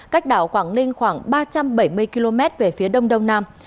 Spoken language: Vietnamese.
cách đảo quảng ninh khoảng ba trăm bảy mươi km về phía đông đông nam